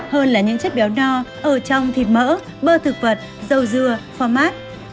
hơn là những chất béo no ở trong thịt mỡ bơ thực vật dầu dừa phô mát